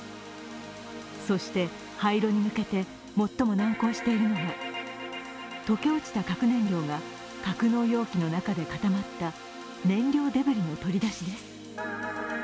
そして廃炉に向けて最も難航しているのが、溶け落ちた核燃料が格納容器の中で固まった燃料デブリの取り出しです。